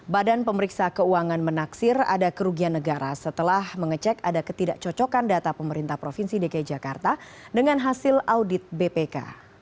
badan pemeriksa keuangan menaksir ada kerugian negara setelah mengecek ada ketidakcocokan data pemerintah provinsi dki jakarta dengan hasil audit bpk